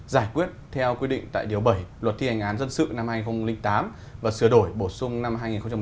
giải quyết theo quy định tại điều bảy luật thi hành án dân sự năm hai nghìn tám và sửa đổi bổ sung năm hai nghìn một mươi